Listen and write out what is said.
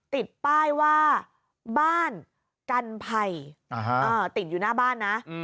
ติดป้ายว่าบ้านกันไผ่ติดอยู่หน้าบ้านนะ